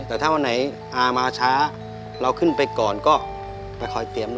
แต่ถ้าวันไหนอามาช้าเราขึ้นไปก่อนก็ไปคอยเตรียม